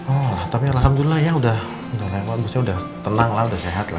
oh tapi alhamdulillah ya udah bagusnya udah tenang lah udah sehat lah